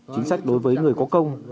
chính sách đối với người có công